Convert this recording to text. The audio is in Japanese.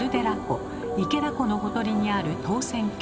池田湖のほとりにある唐船峡。